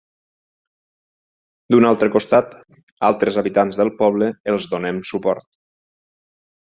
D'un altre costat, altres habitants del poble els donem suport.